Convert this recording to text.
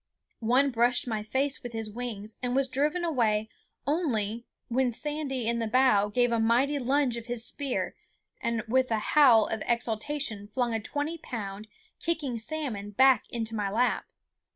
One brushed my face with his wings, and was driven away only when Sandy in the bow gave a mighty lunge of his spear and with a howl of exultation flung a twenty pound, kicking salmon back into my lap.